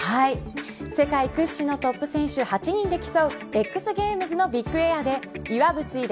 世界屈指のトップ選手８人で競うＸゲームズのビッグエアで岩渕麗